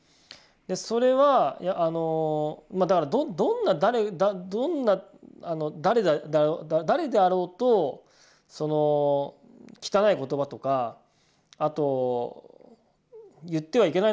それはあのどんな誰であろうとその汚い言葉とかあと言ってはいけないなと思ってるんですよね。